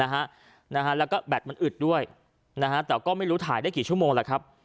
แล้วก็แบตมันอึดด้วยนะฮะแต่ก็ไม่รู้ถ่ายได้กี่ชั่วโมงแล้วครับ